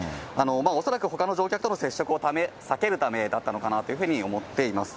恐らくほかの乗客との接触を避けるためだったのかなというふうに思っています。